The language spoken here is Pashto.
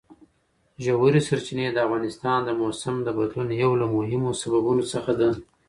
ژورې سرچینې د افغانستان د موسم د بدلون یو له مهمو سببونو څخه ده.